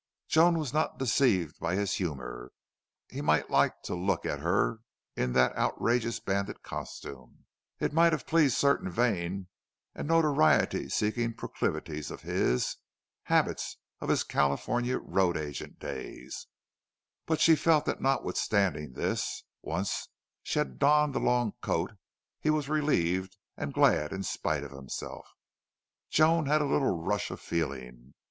Joan was not deceived by his humor. He might like to look at her in that outrageous bandit costume; it might have pleased certain vain and notoriety seeking proclivities of his, habits of his California road agent days; but she felt that notwithstanding this, once she had donned the long coat he was relieved and glad in spite of himself. Joan had a little rush of feeling.